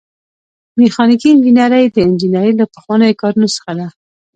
میخانیکي انجنیری د انجنیری له پخوانیو کارونو څخه ده.